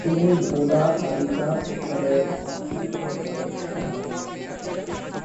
তিনি বোদা বালিকা বিদ্যালয়ের ছাত্রী ছিলেন বলে জানা যায়।